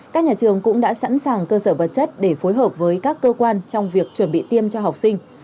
các nhà trường cũng đã sẵn sàng cơ sở vật chất để phối hợp với các cơ quan trong việc chuẩn bị tiêm cho học sinh